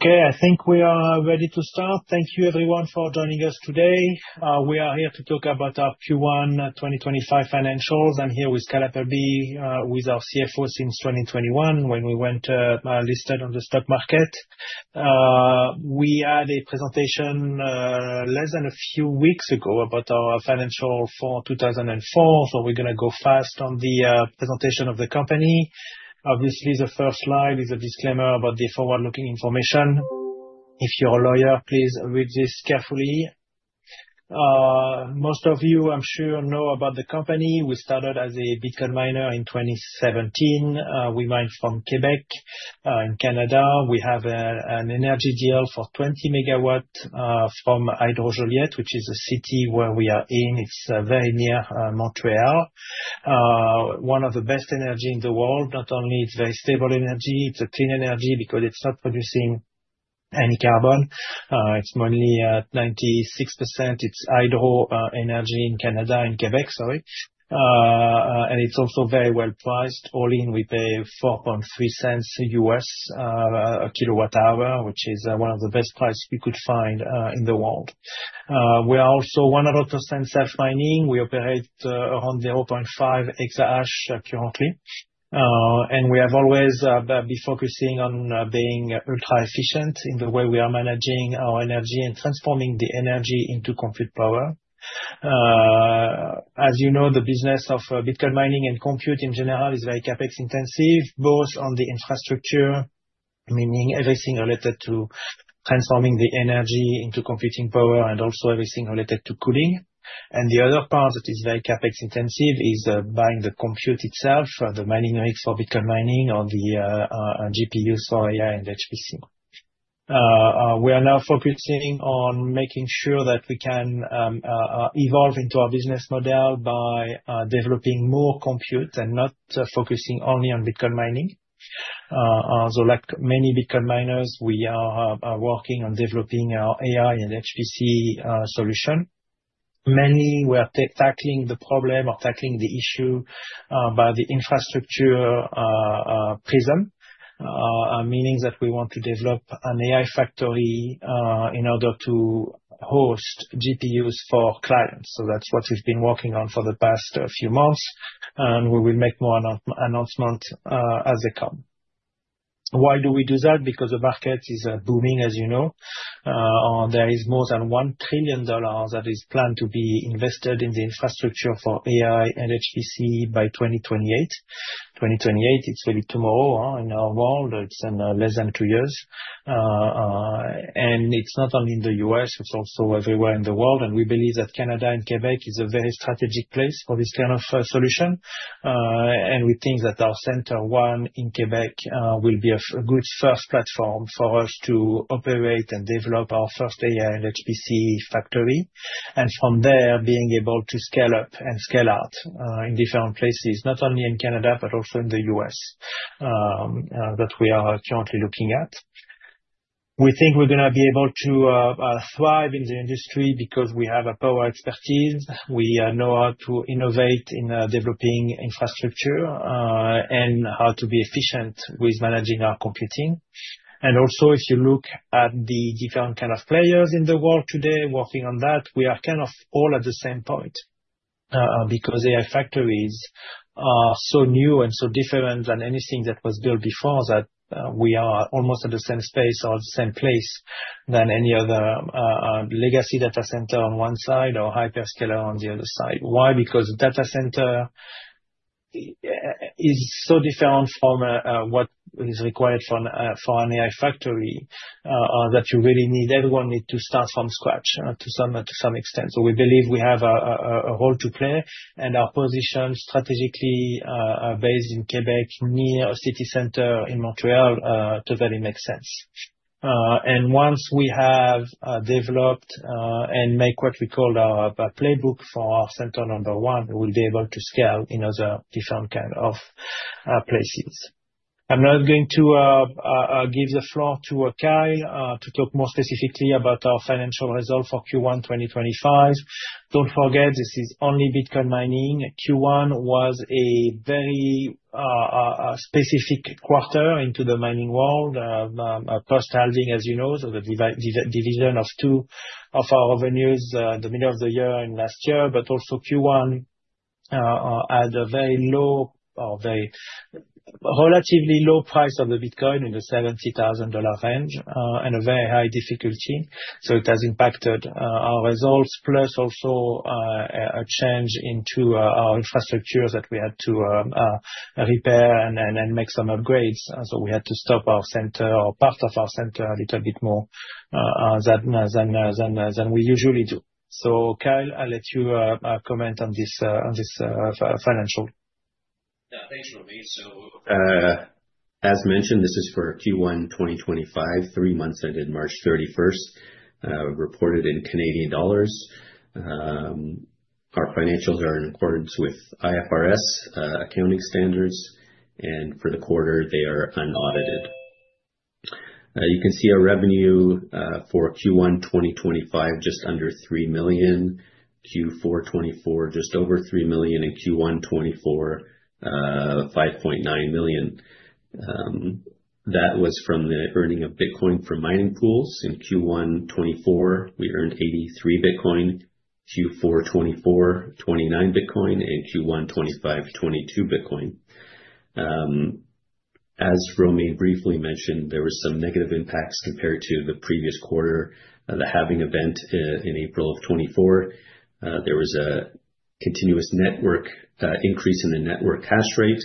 Okay, I think we are ready to start. Thank you, everyone, for joining us today. We are here to talk about our Q1 2025 financials, and here with Kyle Appleby, with our CFO since 2021, when we went listed on the stock market. We had a presentation less than a few weeks ago about our financial for 2024, so we're going to go fast on the presentation of the company. Obviously, the first slide is a disclaimer about the forward-looking information. If you're a lawyer, please read this carefully. Most of you, I'm sure, know about the company. We started as a Bitcoin miner in 2017. We mined from Quebec in Canada. We have an energy deal for 20 MW from Hydro-Joliette, which is a city where we are in. It's very near Montreal, one of the best energies in the world. Not only is it very stable energy, it's a clean energy because it's not producing any carbon. It's mainly at 96%. It's hydro energy in Canada, in Quebec, sorry. It's also very well priced. All in, we pay 0.043 to U.S. a kWh, which is one of the best prices you could find in the world. We are also 100% self-mining. We operate around 0.5 exahash currently. We have always been focusing on being ultra-efficient in the way we are managing our energy and transforming the energy into compute power. As you know, the business of Bitcoin mining and compute in general is very CapEx intensive, both on the infrastructure, meaning everything related to transforming the energy into computing power, and also everything related to cooling. The other part that is very CapEx intensive is buying the compute itself, the mining rigs for Bitcoin mining or the GPUs for AI and HPC. We are now focusing on making sure that we can evolve into our business model by developing more compute and not focusing only on Bitcoin mining. Like many Bitcoin miners, we are working on developing our AI and HPC solution. Many were tackling the problem or tackling the issue by the infrastructure prism, meaning that we want to develop an AI factory in order to host GPUs for clients. That is what we have been working on for the past few months, and we will make more announcements as they come. Why do we do that? Because the market is booming, as you know. There is more than 1 trillion dollars that is planned to be invested in the infrastructure for AI and HPC by 2028. 2028, it's really tomorrow in our world. It's in less than two years. It's not only in the U.S., it's also everywhere in the world. We believe that Canada and Quebec is a very strategic place for this kind of solution. We think that our center one in Quebec will be a good first platform for us to operate and develop our first AI and HPC factory. From there, being able to scale up and scale out in different places, not only in Canada, but also in the U.S. that we are currently looking at. We think we're going to be able to thrive in the industry because we have a power expertise. We know how to innovate in developing infrastructure and how to be efficient with managing our computing. Also, if you look at the different kind of players in the world today working on that, we are kind of all at the same point because AI factories are so new and so different than anything that was built before that we are almost at the same space or the same place than any other legacy data center on one side or hyperscaler on the other side. Why? Because data center is so different from what is required for an AI factory that you really need everyone need to start from scratch to some extent. We believe we have a role to play, and our position strategically based in Quebec, near a city center in Montreal, totally makes sense. Once we have developed and made what we called our playbook for our center number one, we'll be able to scale in other different kinds of places. I am now going to give the floor to Kyle to talk more specifically about our financial result for Q1 2025. Do not forget, this is only Bitcoin mining. Q1 was a very specific quarter into the mining world, post-halving, as you know, so the division of two of our revenues at the middle of the year in last year, but also Q1 had a very low or very relatively low price of the Bitcoin in the 70,000 dollar range and a very high difficulty. It has impacted our results, plus also a change into our infrastructure that we had to repair and make some upgrades. We had to stop our center or part of our center a little bit more than we usually do. Kyle, I'll let you comment on this financial. Yeah, thanks, Romain. So, as mentioned, this is for Q1 2025, three months ended March 31st, reported in Canadian dollars. Our financials are in accordance with IFRS accounting standards, and for the quarter, they are unaudited. You can see our revenue for Q1 2025 just under 3 million, Q4 2024 just over 3 million, and Q1 2024, 5.9 million. That was from the earning of Bitcoin from mining pools. In Q1 2024, we earned 83 Bitcoin, Q4 2024, 29 Bitcoin, and Q1 2025, 22 Bitcoin. As Romain briefly mentioned, there were some negative impacts compared to the previous quarter, the halving event in April of 2024. There was a continuous increase in the network hash rate.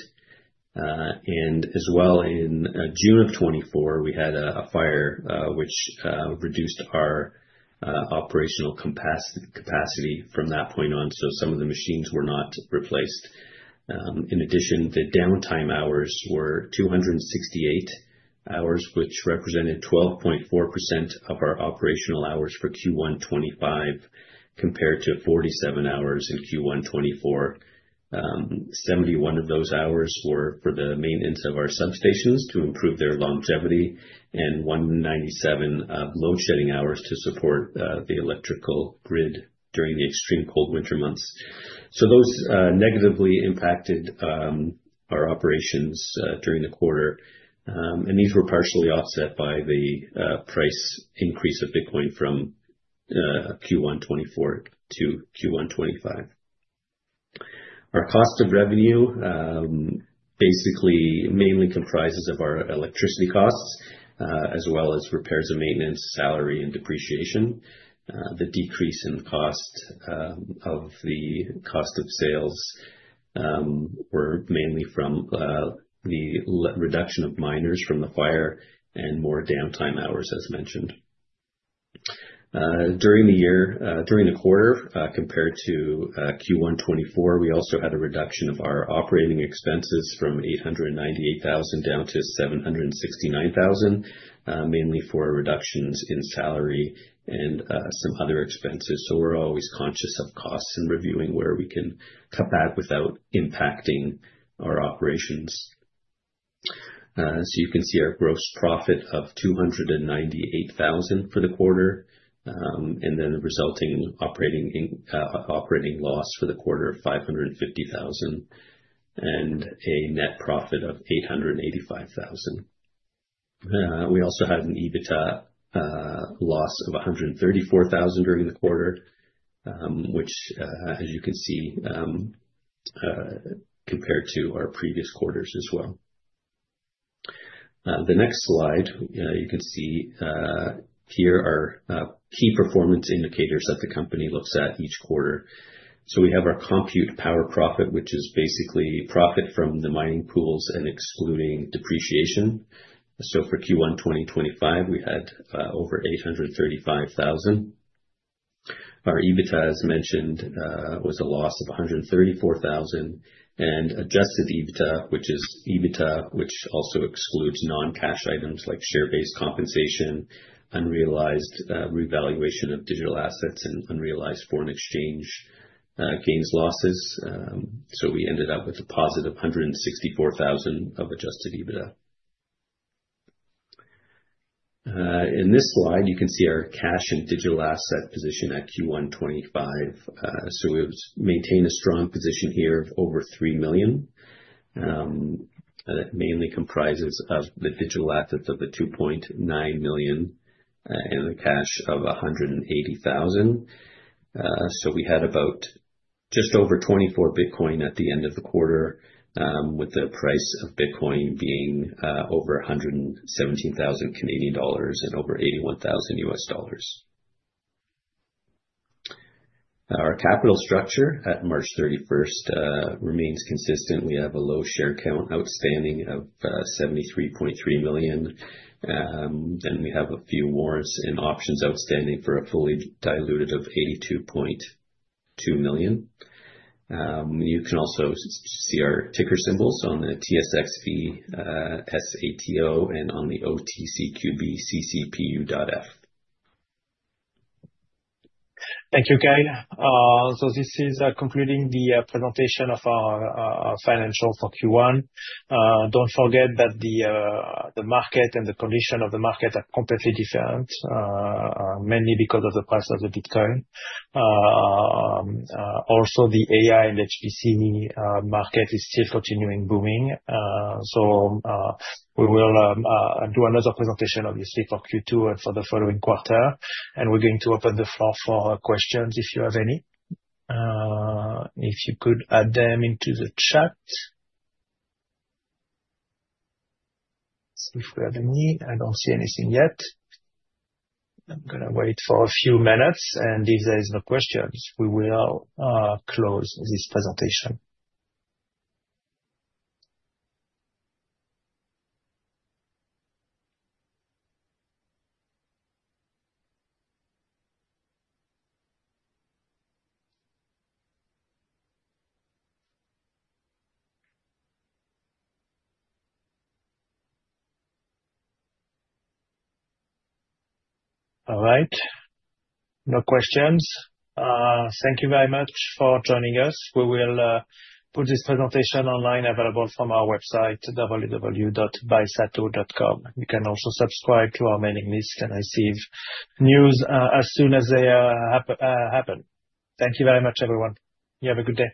As well, in June of 2024, we had a fire, which reduced our operational capacity from that point on. Some of the machines were not replaced. In addition, the downtime hours were 268 hours, which represented 12.4% of our operational hours for Q1 2025 compared to 47 hours in Q1 2024. 71 of those hours were for the maintenance of our substations to improve their longevity and 197 of load-shedding hours to support the electrical grid during the extreme cold winter months. Those negatively impacted our operations during the quarter. These were partially offset by the price increase of Bitcoin from Q1 2024 to Q1 2025. Our cost of revenue basically mainly comprises of our electricity costs as well as repairs and maintenance, salary, and depreciation. The decrease in cost of sales was mainly from the reduction of miners from the fire and more downtime hours, as mentioned. During the year, during the quarter, compared to Q1 2024, we also had a reduction of our operating expenses from 898,000 down to 769,000, mainly for reductions in salary and some other expenses. We are always conscious of costs and reviewing where we can cut back without impacting our operations. You can see our gross profit of 298,000 for the quarter and then the resulting operating loss for the quarter of 550,000 and a net profit of 885,000. We also had an EBITDA loss of 134,000 during the quarter, which, as you can see, compared to our previous quarters as well. The next slide, you can see here are key performance indicators that the company looks at each quarter. We have our compute power profit, which is basically profit from the mining pools and excluding depreciation. For Q1 2025, we had over 835,000. Our EBITDA, as mentioned, was a loss of 134,000 and adjusted EBITDA, which is EBITDA which also excludes non-cash items like share-based compensation, unrealized revaluation of digital assets, and unrealized foreign exchange gains losses. We ended up with a positive 164,000 of adjusted EBITDA. In this slide, you can see our cash and digital asset position at Q1 2025. We maintain a strong position here of over 3 million. That mainly comprises the digital assets of 2.9 million and the cash of 180,000. We had about just over 24 Bitcoin at the end of the quarter, with the price of Bitcoin being over 117,000 Canadian dollars and over $81,000. Our capital structure at March 31st remains consistent. We have a low share count outstanding of 73.3 million. We have a few warrants and options outstanding for a fully diluted of 82.2 million. You can also see our ticker symbols on the TSXV SATO and on the OTCQB CCPU data. Thank you, Kyle. This is concluding the presentation of our financial for Q1. Do not forget that the market and the condition of the market are completely different, mainly because of the price of the Bitcoin. Also, the AI and HPC market is still continuing booming. We will do another presentation, obviously, for Q2 and for the following quarter. We are going to open the floor for questions if you have any. If you could add them into the chat. See if we have any. I do not see anything yet. I am going to wait for a few minutes. If there are no questions, we will close this presentation. All right. No questions. Thank you very much for joining us. We will put this presentation online available from our website, www.bysato.com. You can also subscribe to our mailing list and receive news as soon as they happen. Thank you very much, everyone. You have a good day.